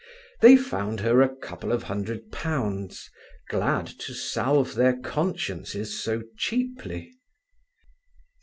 They found her a couple of hundred pounds, glad to salve their consciences so cheaply.